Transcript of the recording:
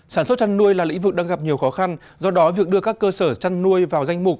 sản xuất chăn nuôi là lĩnh vực đang gặp nhiều khó khăn do đó việc đưa các cơ sở chăn nuôi vào danh mục